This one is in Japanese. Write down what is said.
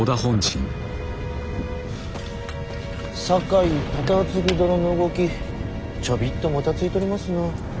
酒井忠次殿の動きちょびっともたついとりますな。